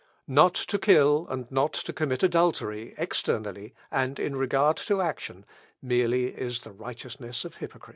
"Not to kill, and not to commit adultery, externally, and in regard to action, merely, is the righteousness of hypocrites.